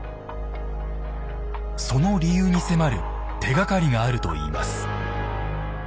その理由に迫る手がかりがあるといいます。